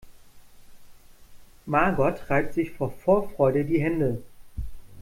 Margot reibt sich vor Vorfreude die Hände.